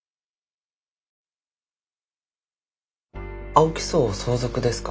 青木荘を相続ですか？